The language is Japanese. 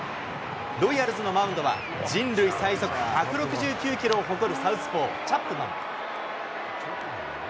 ロイヤルズのマウンドは、人類最速１６９キロを誇るサウスポー、チャップマン。